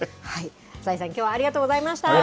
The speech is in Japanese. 浅井さん、きょうはありがとうございました。